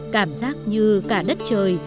cảm giác như cả đất trời